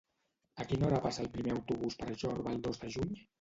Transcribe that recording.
A quina hora passa el primer autobús per Jorba el dos de juny?